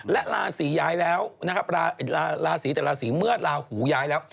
และราศีย้ายแล้วนะครับราศีแต่ราศีเมื่อลาหูย้ายแล้ว